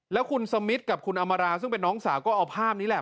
แล้วคุณสมิทกับคุณอำมาราซึ่งเป็นน้องสาวก็เอาภาพนี้แหละ